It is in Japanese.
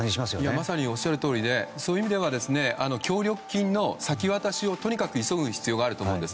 まさにおっしゃるとおりでそういう意味では協力金の先渡しをとにかく急ぐ必要があると思います。